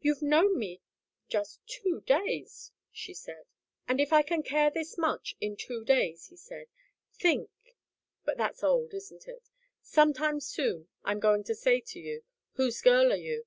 "You've known me just two days," she said. "If I can care this much in two days," he said, "think but that's old, isn't it? Sometime soon I'm going to say to you: 'Whose girl are you?'